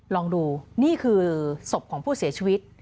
ลองดูนี่คือศพของผู้เสียชีวิต